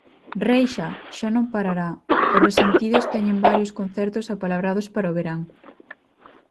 Reixa xa non parará: Os Resentidos teñen varios concertos apalabrados para o verán.